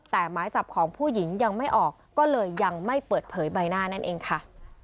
แต่หมายจับของผู้หญิงยังไม่ออกก็เลยยังไม่เปิดเผยใบหน้านั่นเองค่ะ